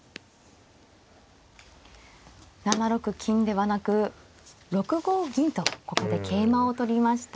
７六金ではなく６五銀とここで桂馬を取りました。